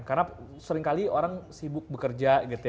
karena seringkali orang sibuk bekerja gitu ya